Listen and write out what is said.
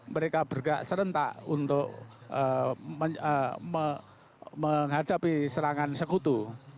mereka bergerak serentak untuk menghadapi serangan sekutu